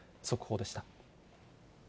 速報でした。